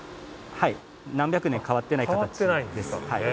はい何百年変わってない形です